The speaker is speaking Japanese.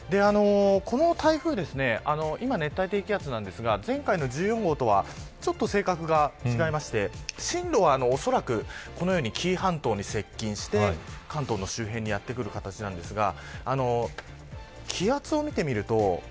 この台風は今、熱帯低気圧ですが前回の１４号とは性格が違いまして進路は紀伊半島に接近して関東周辺にやってくる形なんですが気圧を見てみると１０００